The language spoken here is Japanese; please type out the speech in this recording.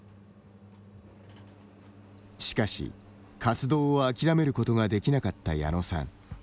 しかし、活動を諦めることができなかった矢野さん。